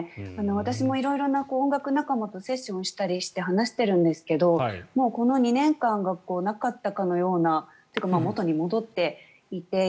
私も色々な音楽仲間とセッションしたりして話しているんですけどこの２年間がなかったかのようなというか元に戻っていて。